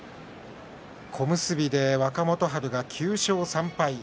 小結で若元春が９勝３敗。